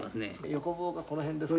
横棒がこの辺ですか？